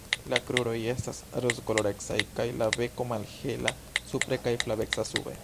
La kruroj estas rozkolorecaj kaj la beko malhela supre kaj flaveca sube.